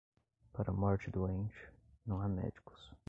Para a morte doente, não há médicos.